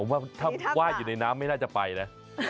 ผมว่าถ้าว่ายอยู่ในน้ำไม่น่าจะไปนะ